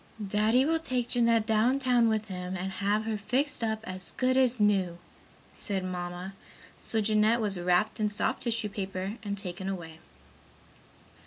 "Daddy will take Jeanette down town with him and have her fixed up as good as new," said Mamma, so Jeanette was wrapped in soft tissue paper and taken away.